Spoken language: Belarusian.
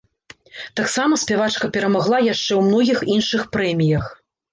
Таксама спявачка перамагла яшчэ ў многіх іншых прэміях.